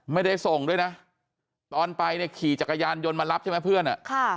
ไม่ได้ส่งด้วยนะตอนไปเนี่ยขี่จักรยานยนต์มารับใช่ไหมเพื่อน